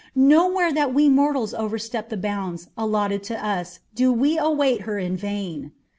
"Nowhere that we mortals overstep the bounds allotted to us do we await her in vain."